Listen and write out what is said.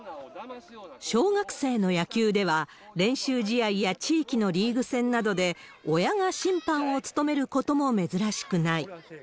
小学生の野球では、練習試合や地域のリーグ戦などで、親が審判を務めることも珍しくない。